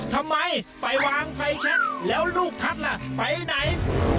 ทำไมไปวางไฟแชคแล้วลูกทัศน์ล่ะไปไหน